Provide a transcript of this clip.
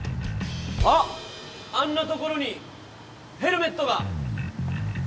「あっあんな所にヘルメットが」